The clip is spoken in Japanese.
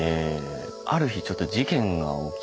ある日ちょっと事件が起きまして。